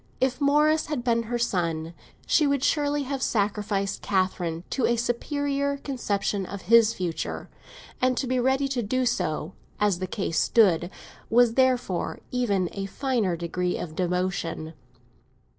If Morris had been her son, she would certainly have sacrificed Catherine to a superior conception of his future; and to be ready to do so as the case stood was therefore even a finer degree of devotion.